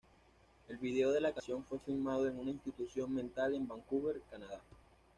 El video de la canción fue filmado en una institución mental en Vancouver, Canadá.